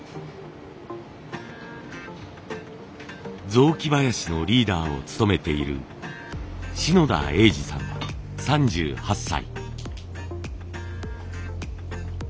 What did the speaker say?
雑木囃子のリーダーを務めている篠田英治さん３８歳。